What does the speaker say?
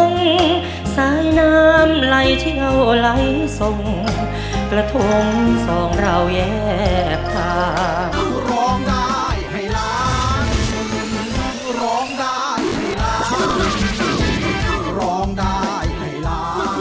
ขอบคุณค่ะ